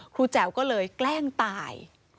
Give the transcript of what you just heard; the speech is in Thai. แจ๋วก็เลยแกล้งตาย